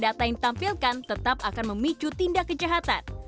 data yang ditampilkan tetap akan memicu tindak kejahatan